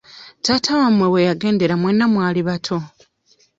Taata wamwe we yagendera mwenna mwali bato.